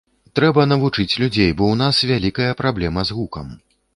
Трэба навучыць людзей, бо ў нас вялікая праблема з гукам.